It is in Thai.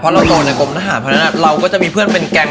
เราโดนในกรมทหารเพราะฉะนั้นเราก็จะมีเพื่อนเป็นแก๊ง